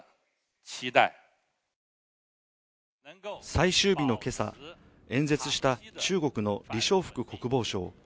最終日の今朝、演説した中国の李尚福国防相。